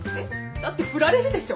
だって振られるでしょ？